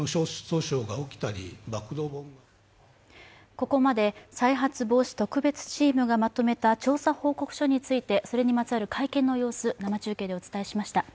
ここまで再発防止特別チームがまとめた調査報告書について、それにまつわる会見の様子、生中継でお伝えしました。